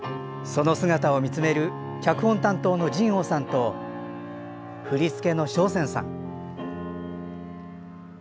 その姿を見つめる脚本担当の仁凰さんと振り付けの松扇さん。